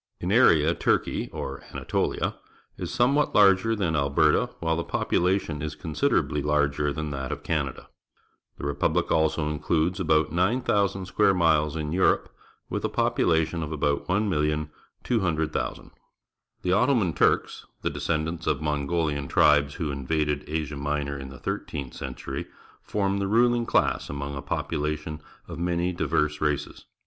In area Turkey, or Anatolia, is somewhat larger than Mberta, while the population is considerably larger than that of Canada. The repubhc also includes about 9,000 square miles in Europe, with a population of about 1,200,000. The Ottoman Turks, the descendants of Mongohan tribes who invaded Asia Minor in the^thirteenth century, form the ruHng class among a population of many diverse races.